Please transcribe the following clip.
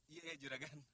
iya ya juragan